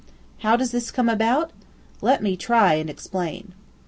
How does this come about? Let me try and explain.